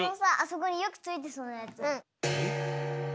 そこによくついてそうなやつ。